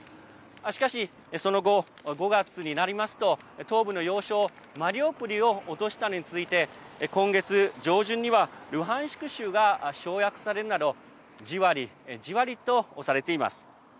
しかし、その後５月になりますと東部の要衝マリウポリを落としたのに続いて今月上旬には、ルハンシク州が掌握されるなどじわりじわりと押されています。